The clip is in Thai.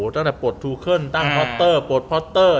ตั้งแต่ปลดทูเคิลตั้งพอตเตอร์ปลดพอตเตอร์